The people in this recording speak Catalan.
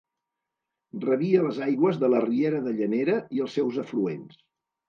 Rebia les aigües de la riera de Llanera i els seus afluents.